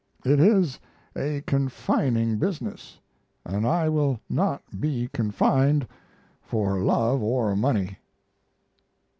It is a confining business, and I will not be confined for love or money."